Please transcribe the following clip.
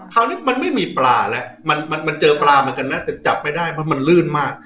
คราวนี้มันไม่มีปลาแล้วมันเจอปลาเหมือนกันนะแต่จับไม่ได้เพราะมันลื่นมาก